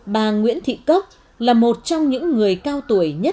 bà nguyễn thị cốc là một trong những người cao tuổi nhất